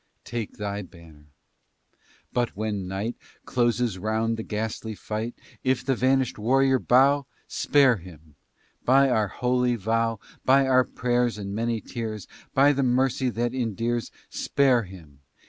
"Take thy banner! But when night Closes round the ghastly fight, If the vanquished warrior bow, Spare him! By our holy vow, By our prayers and many tears, By the mercy that endears, Spare him!